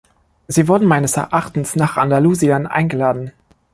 Sie wurden meines Erachtens nach Andalusien eingeladen.